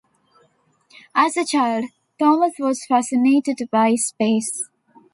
As a child, Thomas was fascinated by space.